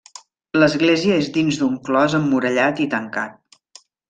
L'església és dins d'un clos emmurallat i tancat.